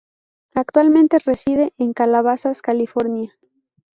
Actualmente reside en Calabasas, California.